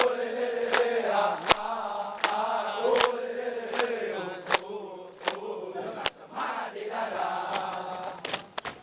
dengan semangat didadak